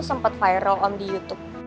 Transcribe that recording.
sempat viral om di youtube